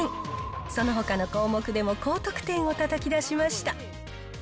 そのほかの項目でも高得点をたたき出しました。